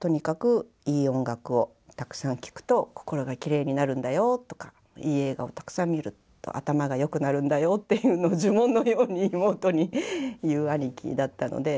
とにかくいい音楽をたくさん聴くと心がきれいになるんだよとかいい映画をたくさん見ると頭が良くなるんだよっていうのを呪文のように妹に言う兄貴だったので。